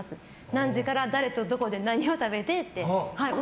何時から誰とどこで何を食べてって。